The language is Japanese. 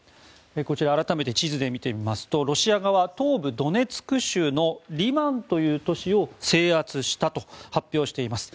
こちら、改めて地図で見てみますとロシア側、東部ドネツク州のリマンという都市を制圧したと発表しています。